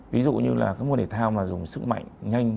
ví dụ như là các môn thể thao mà dùng sức mạnh nhanh